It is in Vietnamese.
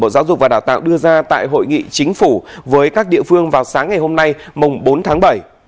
bộ giáo dục và đào tạo đưa ra tại hội nghị chính phủ với các địa phương vào sáng ngày hôm nay mùng bốn tháng bảy